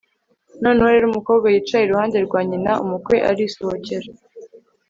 noneho rero umukobwa yicaye iruhande rwa nyina, umukwe arisohokera